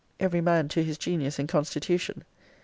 Every man to his genius and constitution.